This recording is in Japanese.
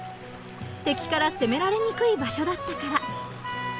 敵から攻められにくい場所だったから。